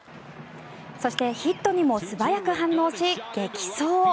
そして、ヒットにも素早く反応し激走。